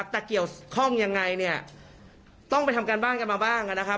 แต่เกี่ยวข้องยังไงเนี่ยต้องไปทำการบ้านกันมาบ้างนะครับ